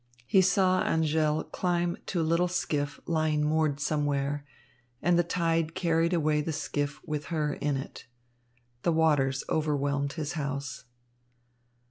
He saw Angèle climb to a little skiff lying moored somewhere; and the tide carried away the skiff with her in it. The waters overwhelmed his house.